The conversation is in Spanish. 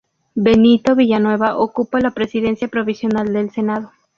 Benito Villanueva ocupa la Presidencia Provisional del Senado.